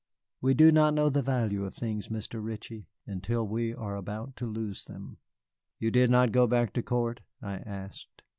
We do not know the value of things, Mr. Ritchie, until we are about to lose them." "You did not go back to court?" I asked.